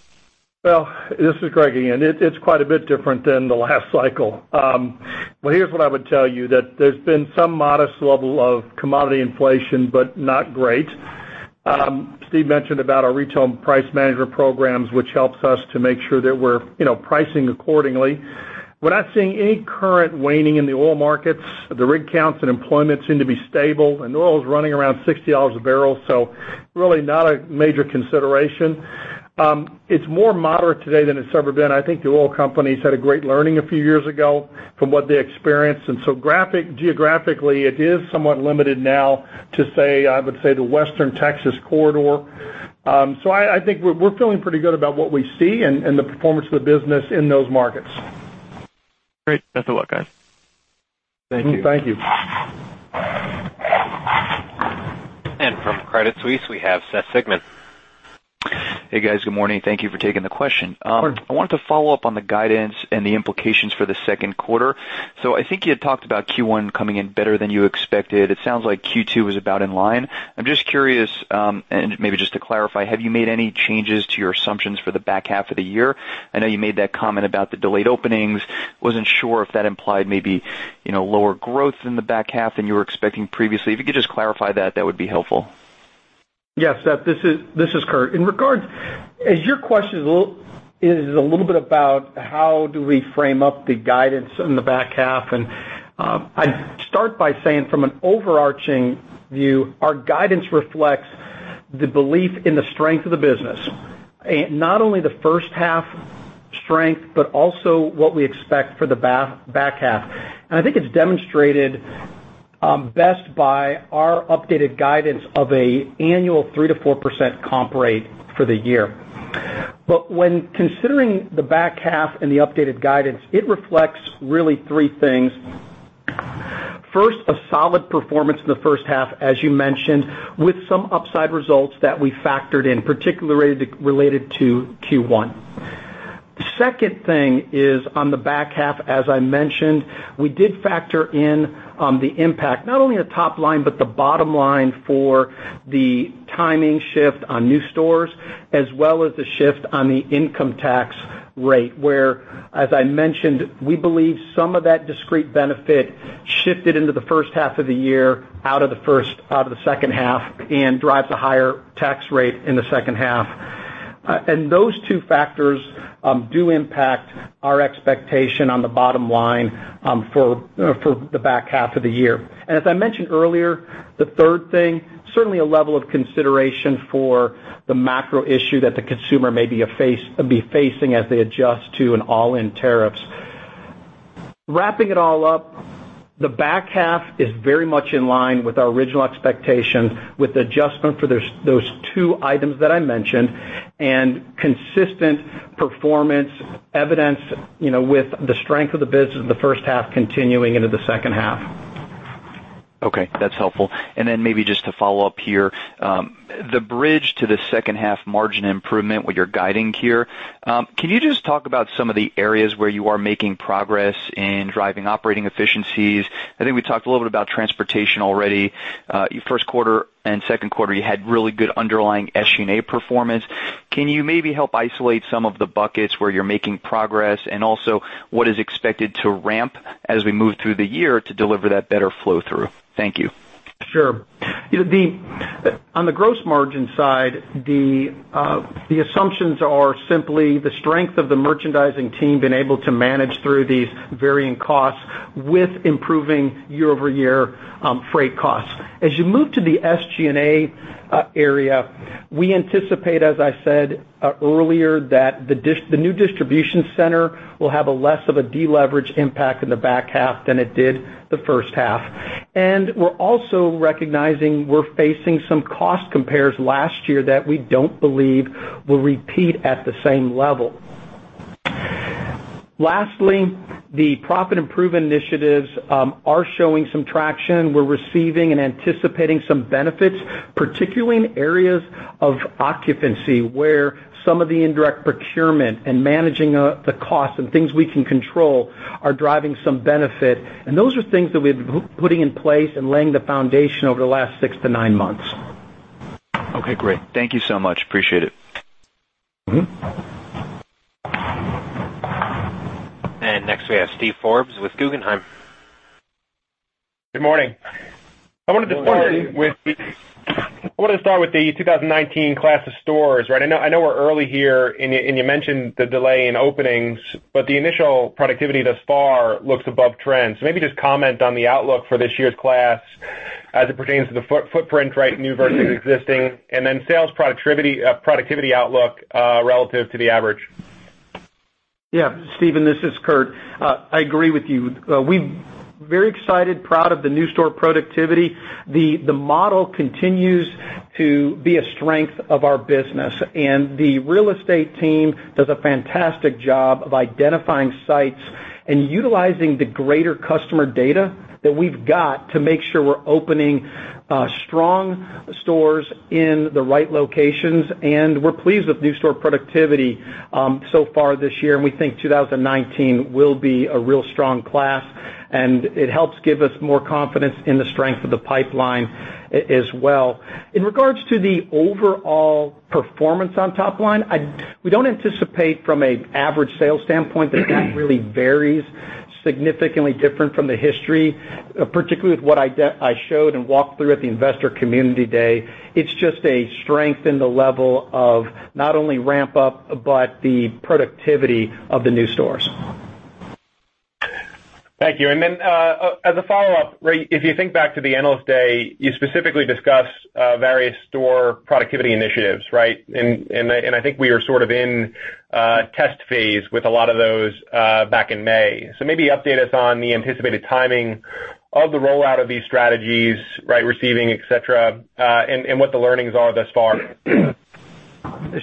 Well, this is Greg again. It's quite a bit different than the last cycle. Here's what I would tell you, that there's been some modest level of commodity inflation, but not great. Steve mentioned about our retail price management programs, which helps us to make sure that we're pricing accordingly. We're not seeing any current waning in the oil markets. The rig counts and employment seem to be stable, and oil is running around $60 a barrel, so really not a major consideration. It's more moderate today than it's ever been. I think the oil companies had a great learning a few years ago from what they experienced. Geographically, it is somewhat limited now to, I would say, the Western Texas corridor. I think we're feeling pretty good about what we see and the performance of the business in those markets. Great. Best of luck, guys. Thank you. From Credit Suisse, we have Seth Sigman. Hey, guys. Good morning. Thank you for taking the question. Of course. I wanted to follow up on the guidance and the implications for the second quarter. I think you had talked about Q1 coming in better than you expected. It sounds like Q2 was about in line. I'm just curious, and maybe just to clarify, have you made any changes to your assumptions for the back half of the year? I know you made that comment about the delayed openings. Wasn't sure if that implied maybe lower growth in the back half than you were expecting previously. If you could just clarify that would be helpful. Yeah, Seth, this is Kurt. As your question is a little bit about how do we frame up the guidance in the back half, I'd start by saying from an overarching view, our guidance reflects the belief in the strength of the business. Not only the first half strength, but also what we expect for the back half. I think it's demonstrated best by our updated guidance of annual 3% to 4% comp rate for the year. When considering the back half and the updated guidance, it reflects really three things. First, a solid performance in the first half, as you mentioned, with some upside results that we factored in, particularly related to Q1. The second thing is on the back half, as I mentioned, we did factor in the impact, not only the top line, but the bottom line for the timing shift on new stores, as well as the shift on the income tax rate, where, as I mentioned, we believe some of that discrete benefit shifted into the first half of the year out of the second half and drives a higher tax rate in the second half. Those two factors do impact our expectation on the bottom line for the back half of the year. As I mentioned earlier, the third thing, certainly a level of consideration for the macro issue that the consumer may be facing as they adjust to an all-in tariffs. Wrapping it all up, the back half is very much in line with our original expectation, with adjustment for those two items that I mentioned. Consistent performance evidence with the strength of the business in the first half continuing into the second half. Okay. That's helpful. Maybe just to follow up here, the bridge to the second half margin improvement, what you're guiding here, can you just talk about some of the areas where you are making progress in driving operating efficiencies? I think we talked a little bit about transportation already. First quarter and second quarter, you had really good underlying SG&A performance. Can you maybe help isolate some of the buckets where you're making progress? What is expected to ramp as we move through the year to deliver that better flow-through? Thank you. Sure. On the gross margin side, the assumptions are simply the strength of the merchandising team being able to manage through these varying costs with improving year-over-year freight costs. As you move to the SG&A area, we anticipate, as I said earlier, that the new distribution center will have a less of a deleverage impact in the back half than it did the first half. We're also recognizing we're facing some cost compares last year that we don't believe will repeat at the same level. Lastly, the profit improvement initiatives are showing some traction. We're receiving and anticipating some benefits, particularly in areas of occupancy, where some of the indirect procurement and managing the cost and things we can control are driving some benefit. Those are things that we've been putting in place and laying the foundation over the last six to nine months. Okay, great. Thank you so much. Appreciate it. Next we have Steve Forbes with Guggenheim. Good morning. I wanted to start with the 2019 class of stores, right? I know we're early here, you mentioned the delay in openings, the initial productivity thus far looks above trend. Maybe just comment on the outlook for this year's class as it pertains to the footprint, right, new versus existing, then sales productivity outlook relative to the average. Yeah. Steve, this is Kurt. I agree with you. We're very excited, proud of the new store productivity. The model continues to be a strength of our business, and the real estate team does a fantastic job of identifying sites and utilizing the greater customer data that we've got to make sure we're opening strong stores in the right locations. We're pleased with new store productivity so far this year, and we think 2019 will be a real strong class. It helps give us more confidence in the strength of the pipeline as well. In regards to the overall performance on top line, we don't anticipate from an average sales standpoint that that really varies significantly different from the history, particularly with what I showed and walked through at the Investment Community Day. It's just a strength in the level of not only ramp up, but the productivity of the new stores. Thank you. As a follow-up, [inaudible] if you think back to the Analyst Day, you specifically discussed various store productivity initiatives, right? I think we are sort of in a test phase with a lot of those back in May. Maybe update us on the anticipated timing of the rollout of these strategies, right receiving, et cetera, and what the learnings are thus far.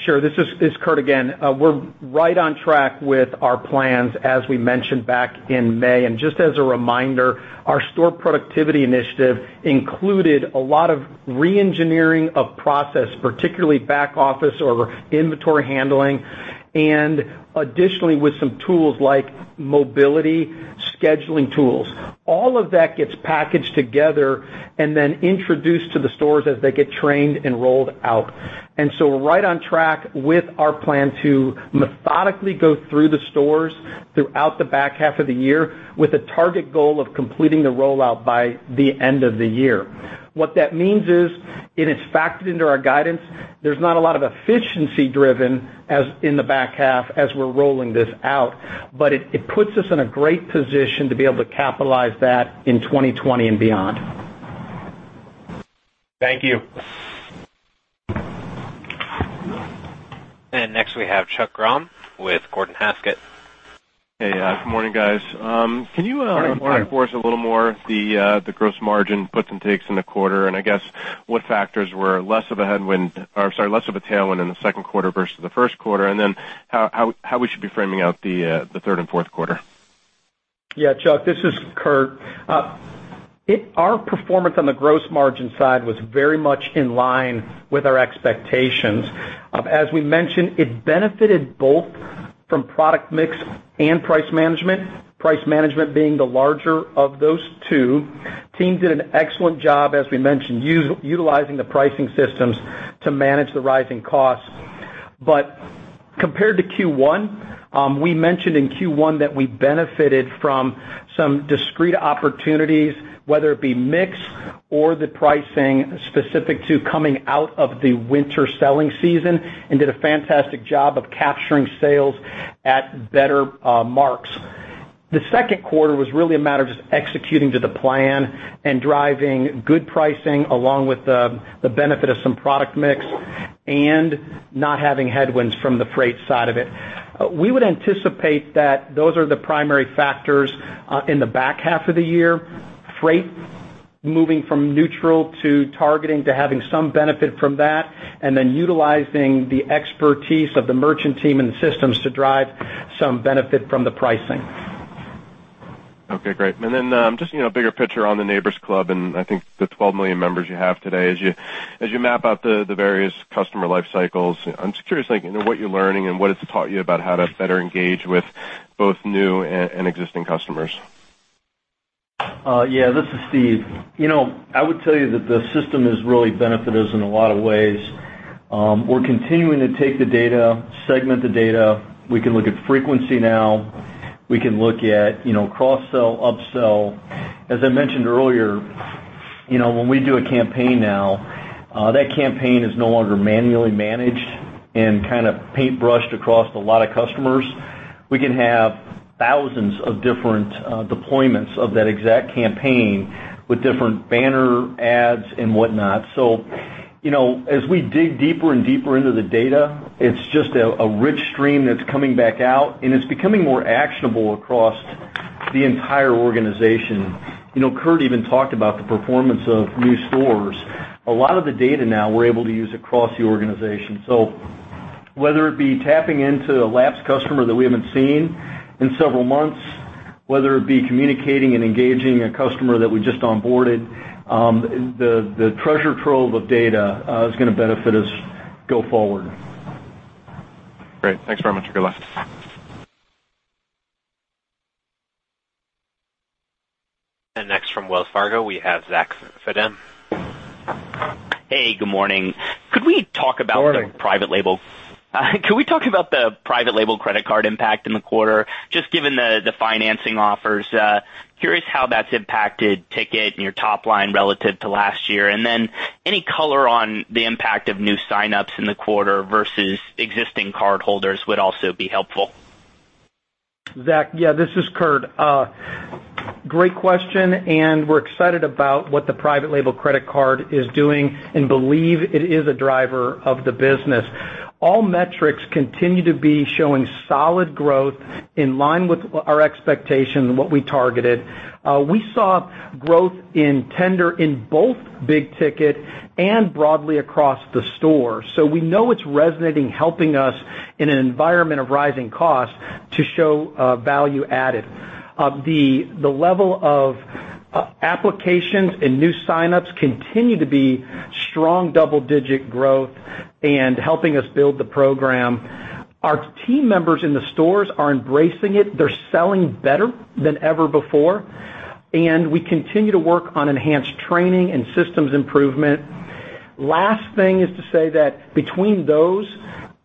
Sure. This is Kurt again. We're right on track with our plans, as we mentioned back in May. Just as a reminder, our store productivity initiative included a lot of re-engineering of process, particularly back office or inventory handling, additionally with some tools like mobility, scheduling tools. All of that gets packaged together then introduced to the stores as they get trained and rolled out. We're right on track with our plan to methodically go through the stores throughout the back half of the year, with a target goal of completing the rollout by the end of the year. What that means is, it is factored into our guidance. There's not a lot of efficiency driven as in the back half as we're rolling this out, but it puts us in a great position to be able to capitalize that in 2020 and beyond. Thank you. Next we have Chuck Grom with Gordon Haskett. Hey, good morning, guys. Morning. Can you quantify for us a little more the gross margin puts and takes in the quarter and I guess what factors were less of a headwind, or, sorry, less of a tailwind in the second quarter versus the first quarter, and then how we should be framing out the third and fourth quarter? Yeah. Chuck, this is Kurt. Our performance on the gross margin side was very much in line with our expectations. As we mentioned, it benefited both from product mix and price management, price management being the larger of those two. Teams did an excellent job, as we mentioned, utilizing the pricing systems to manage the rising costs. Compared to Q1, we mentioned in Q1 that we benefited from some discrete opportunities, whether it be mix or the pricing specific to coming out of the winter selling season and did a fantastic job of capturing sales at better marks. The second quarter was really a matter of just executing to the plan and driving good pricing along with the benefit of some product mix and not having headwinds from the freight side of it. We would anticipate that those are the primary factors, in the back half of the year. Freight moving from neutral to targeting to having some benefit from that, and then utilizing the expertise of the merchant team and the systems to drive some benefit from the pricing. Okay, great. Just bigger picture on the Neighbor's Club, and I think the 12 million members you have today, as you map out the various customer life cycles, I'm just curious, what you're learning and what it's taught you about how to better engage with both new and existing customers? Yeah, this is Steve. I would tell you that the system has really benefited us in a lot of ways. We're continuing to take the data, segment the data. We can look at frequency now. We can look at cross-sell, up-sell. As I mentioned earlier, when we do a campaign now, that campaign is no longer manually managed and kind of paintbrushed across a lot of customers. We can have thousands of different deployments of that exact campaign with different banner ads and whatnot. As we dig deeper and deeper into the data, it's just a rich stream that's coming back out, and it's becoming more actionable across the entire organization. Kurt even talked about the performance of new stores. A lot of the data now we're able to use across the organization. Whether it be tapping into a lapsed customer that we haven't seen in several months, whether it be communicating and engaging a customer that we just onboarded, the treasure trove of data is going to benefit us go forward. Great. Thanks very much. Good luck. Next from Wells Fargo, we have Zach Fadem. Hey, good morning. Good morning. Could we talk about the private label credit card impact in the quarter, just given the financing offers? Curious how that's impacted ticket and your top line relative to last year. Then any color on the impact of new sign-ups in the quarter versus existing cardholders would also be helpful. Zach, yeah, this is Kurt. Great question. We're excited about what the private label credit card is doing and believe it is a driver of the business. All metrics continue to be showing solid growth in line with our expectation and what we targeted. We saw growth in tender in both big ticket and broadly across the store. We know it's resonating, helping us in an environment of rising costs to show value added. The level of Applications and new signups continue to be strong double-digit growth and helping us build the program. Our team members in the stores are embracing it. They're selling better than ever before, and we continue to work on enhanced training and systems improvement. Last thing is to say that between those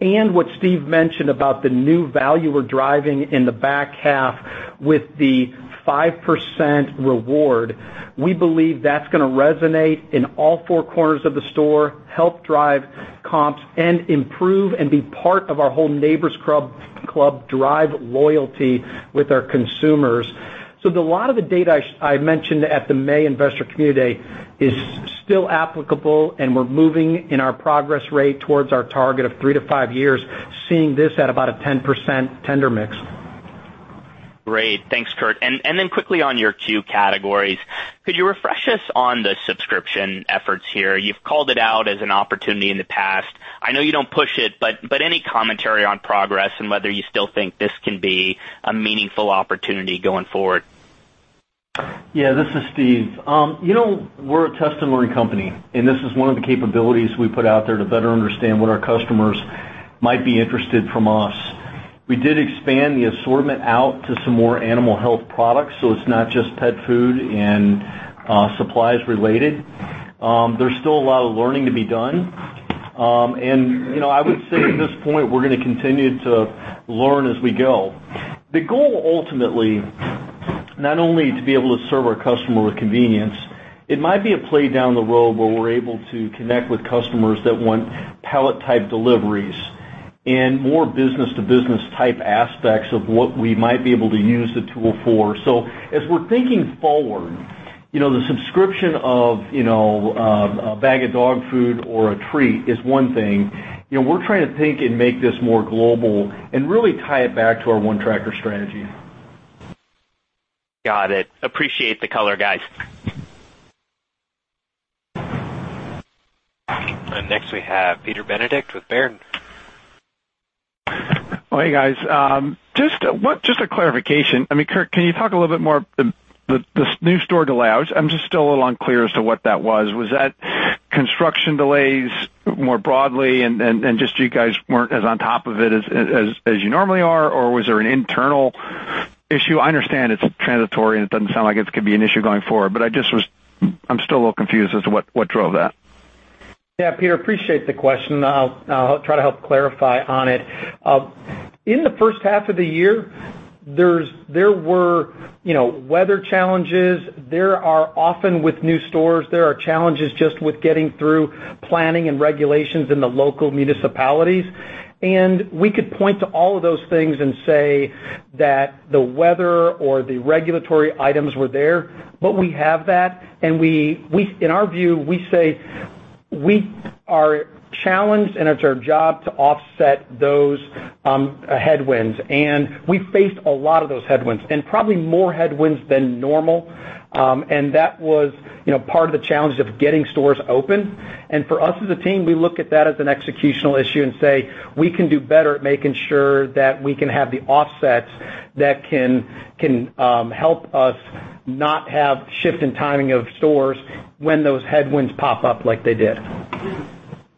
and what Steve mentioned about the new value we're driving in the back half with the 5% reward, we believe that's going to resonate in all four corners of the store, help drive comps, and improve and be part of our whole Neighbor's Club drive loyalty with our consumers. A lot of the data I mentioned at the May Investment Community Day is still applicable, we're moving in our progress rate towards our target of three to five years, seeing this at about a 10% tender mix. Great. Thanks, Kurt. Quickly on your CUE categories, could you refresh us on the subscription efforts here? You've called it out as an opportunity in the past. I know you don't push it, any commentary on progress and whether you still think this can be a meaningful opportunity going forward. Yeah, this is Steve. We're a test and learn company, and this is one of the capabilities we put out there to better understand what our customers might be interested from us. We did expand the assortment out to some more animal health products, so it's not just pet food and supplies related. There's still a lot of learning to be done. I would say at this point, we're going to continue to learn as we go. The goal ultimately, not only to be able to serve our customer with convenience, it might be a play down the road where we're able to connect with customers that want pallet-type deliveries and more business-to-business type aspects of what we might be able to use the tool for. As we're thinking forward, the subscription of a bag of dog food or a treat is one thing. We're trying to think and make this more global and really tie it back to our ONETractor strategy. Got it. Appreciate the color, guys. Next we have Peter Benedict with Baird. Oh, hey, guys. Just a clarification. Kurt, can you talk a little bit more, the new store delays? I'm just still a little unclear as to what that was. Was that construction delays more broadly and just you guys weren't as on top of it as you normally are, or was there an internal issue? I understand it's transitory, and it doesn't sound like it could be an issue going forward, but I'm still a little confused as to what drove that. Yeah, Peter, appreciate the question. I'll try to help clarify on it. In the first half of the year, there were weather challenges. Often with new stores, there are challenges just with getting through planning and regulations in the local municipalities. We could point to all of those things and say that the weather or the regulatory items were there, but we have that, and in our view, we say we are challenged, and it's our job to offset those headwinds. We faced a lot of those headwinds, and probably more headwinds than normal, and that was part of the challenge of getting stores open. For us as a team, we look at that as an executional issue and say, we can do better at making sure that we can have the offsets that can help us not have shift in timing of stores when those headwinds pop up like they did.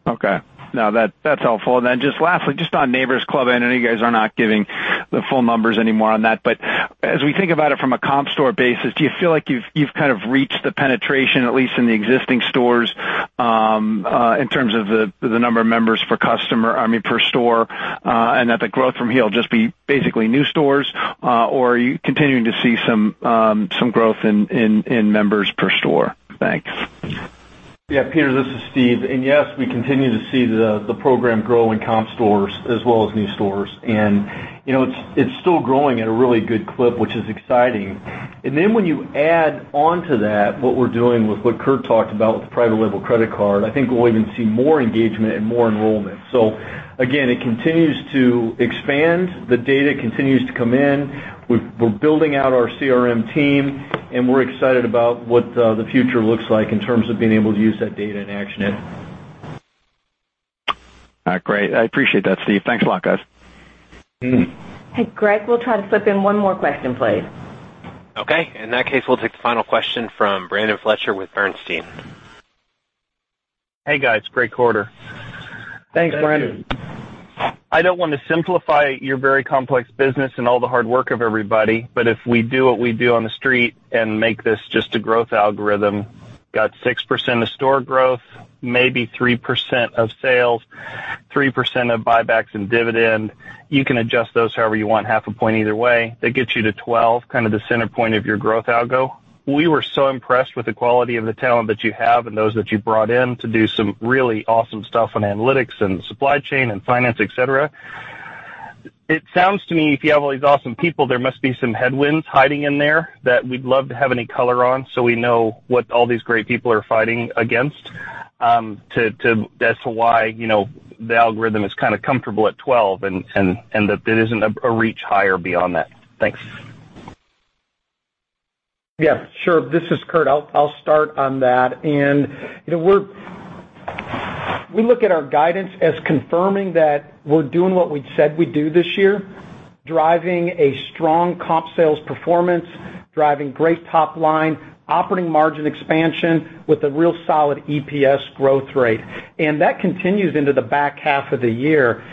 Okay. No, that's helpful. Just lastly, just on Neighbor's Club, I know you guys are not giving the full numbers anymore on that, but as we think about it from a comp store basis, do you feel like you've reached the penetration, at least in the existing stores, in terms of the number of members per store, and that the growth from here will just be basically new stores? Or are you continuing to see some growth in members per store? Thanks. Yeah, Peter, this is Steve. Yes, we continue to see the program grow in comp stores as well as new stores. It's still growing at a really good clip, which is exciting. When you add on to that what we're doing with what Kurt talked about with the private label credit card, I think we'll even see more engagement and more enrollment. Again, it continues to expand. The data continues to come in. We're building out our CRM team, and we're excited about what the future looks like in terms of being able to use that data and action it. All right, great. I appreciate that, Steve. Thanks a lot, guys. Hey, Greg, we'll try to slip in one more question, please. Okay. In that case, we'll take the final question from Brandon Fletcher with Bernstein. Hey, guys. Great quarter. Thanks, Brandon. I don't want to simplify your very complex business and all the hard work of everybody, if we do what we do on the street and make this just a growth algorithm, got 6% of store growth, maybe 3% of sales, 3% of buybacks and dividend. You can adjust those however you want, half a point either way. That gets you to 12, the center point of your growth algo. We were so impressed with the quality of the talent that you have and those that you brought in to do some really awesome stuff on analytics and supply chain and finance, et cetera. It sounds to me, if you have all these awesome people, there must be some headwinds hiding in there that we'd love to have any color on, so we know what all these great people are fighting against. As to why the algorithm is comfortable at 12 and that there isn't a reach higher beyond that. Thanks. Yeah, sure. This is Kurt. I'll start on that. We look at our guidance as confirming that we're doing what we said we'd do this year, driving a strong comp sales performance, driving great top line, operating margin expansion with a real solid EPS growth rate. That continues into the back half of the year.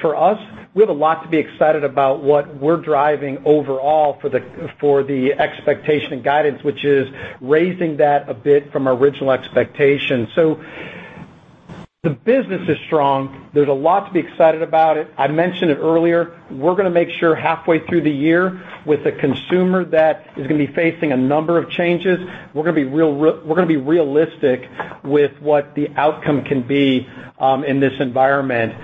For us, we have a lot to be excited about what we're driving overall for the expectation and guidance, which is raising that a bit from our original expectation. The business is strong. There's a lot to be excited about it. I mentioned it earlier. We're going to make sure halfway through the year with a consumer that is going to be facing a number of changes, we're going to be realistic with what the outcome can be in this environment.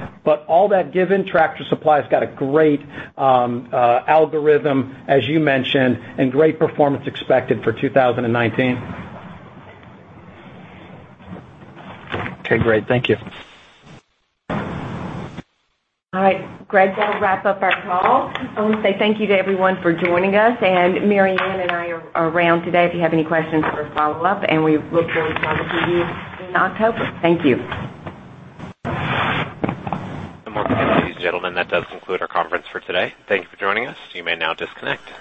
All that given, Tractor Supply has got a great algorithm, as you mentioned, and great performance expected for 2019. Okay, great. Thank you. All right. Greg, that'll wrap up our call. I want to say thank you to everyone for joining us, and Mary Winn and I are around today if you have any questions for follow-up, and we look forward to talking to you in October. Thank you. More questions, ladies and gentlemen, that does conclude our conference for today. Thank you for joining us. You may now disconnect.